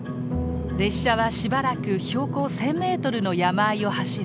列車はしばらく標高１，０００メートルの山あいを走る。